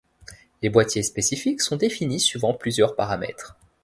Les boîtiers spécifiques sont définis suivant plusieurs paramètres.